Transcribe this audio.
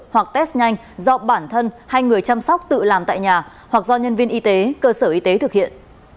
hoặc test nhanh do bản thân hay người chăm sóc tự làm tại nhà hoặc do nhân viên y tế cơ sở y tế thực hiện